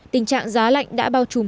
tình trạng giá lạnh đã bao trùm